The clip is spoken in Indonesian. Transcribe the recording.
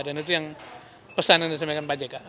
dan itu yang pesan yang disampaikan pak jeka